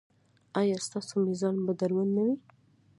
ایا ستاسو میزان به دروند نه وي؟